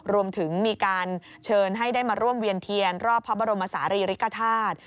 รวมถึงมีการเชิญให้ได้มาร่วมเวียนเทียนรอบพระบรมศาลีริกฐาตุ